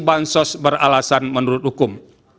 bansos beralasan menurut hukum